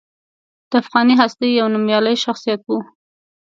د افغاني هستې یو نومیالی شخصیت و.